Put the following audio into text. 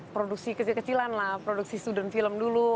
produksi kecil kecilan lah produksi student film dulu